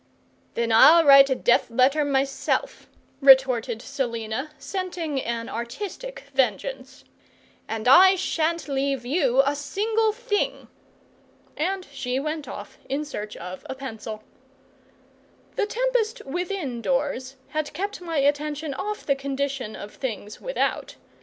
"Then I'll write a death letter myself," retorted Selina, scenting an artistic vengeance: "and I sha'n't leave you a single thing!" And she went off in search of a pencil. The tempest within doors had kept my attention off the condition of things without.